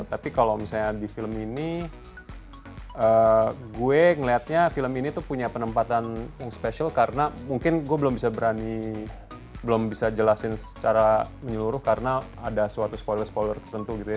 tapi kalau misalnya di film ini gue ngeliatnya film ini tuh punya penempatan yang spesial karena mungkin gue belum bisa berani belum bisa jelasin secara menyeluruh karena ada suatu spoiler spoiler tertentu gitu ya